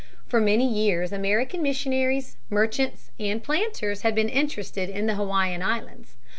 For many years American missionaries, merchants, and planters had been interested in the Hawaiian Islands.